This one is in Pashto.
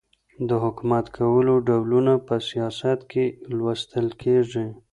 د حکومت کولو ډولونه په سیاست کي لوستل کیږي.